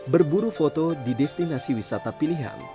berburu foto di destinasi wisata pilihan